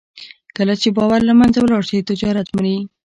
کله چې باور له منځه ولاړ شي، تجارت مري.